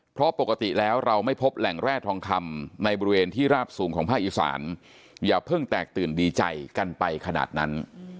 เพราะปกติแล้วเราไม่พบแหล่งแร่ทองคำในบริเวณที่ราบสูงของภาคอีสานอย่าเพิ่งแตกตื่นดีใจกันไปขนาดนั้น